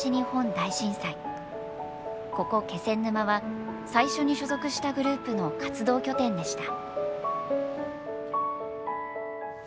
ここ気仙沼は最初に所属したグループの活動拠点でした